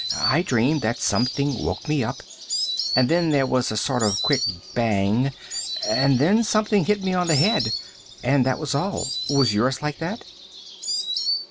I dreamed that something woke me up, and then there was a sort of quick bang, and then something hit me on the head. And that was all. Was yours like that?"